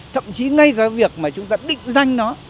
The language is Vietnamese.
thậm chí ngay cả việc mà chúng ta định danh nó